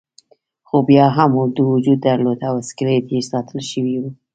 خو بیا هم اردو وجود درلود او اسکلیت یې ساتل شوی وو.